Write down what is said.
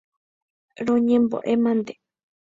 Roñembo'e mante.